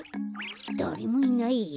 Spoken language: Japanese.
だれもいないや。